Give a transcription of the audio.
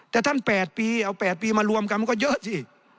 แต่ท่าน๘ปีเอา๘ปีมารวมกันมันก็เยอะสิ